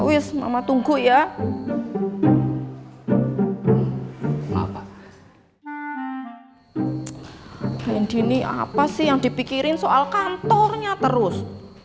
wis mama tunggu ya apa main dini apa sih yang dipikirin soal kantornya terus